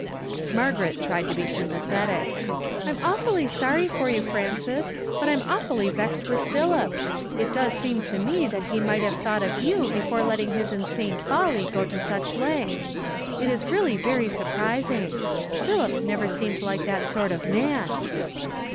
Margaret tried to be sympathetic. " I'm awfully sorry for you, Frances, but I'm awfully vexed with Philip. It does seem to me tliat he might have thought of you before letting his insane folly go to such lengths. It is really very surprising. Philip never seemed like that sort of man."